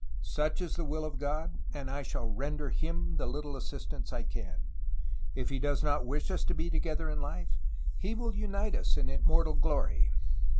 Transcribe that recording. Such is the will of God, and I shall render Him the little assistance I can; if He does not wish us to be to gether in this life, He will unite us in immortal glory.